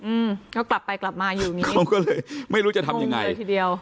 อืมก็กลับไปกลับมาอยู่อย่างงี้เขาก็เลยไม่รู้จะทำยังไงเลยทีเดียว